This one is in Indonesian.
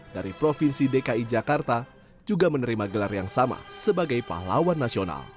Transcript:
dari provinsi dki jakarta juga menerima gelar yang sama sebagai pahlawan nasional